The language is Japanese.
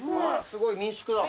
「すごい民宿だ」